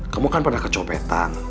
kamu kan pernah kecopetan